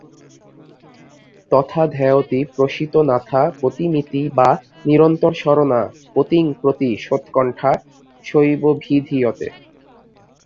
তথা ধ্যায়তি প্রোষিতনাথা পতিমিতি বা নিরন্তরস্মরণা পতিং প্রতি সোৎকণ্ঠা সৈবমভিধীয়তে।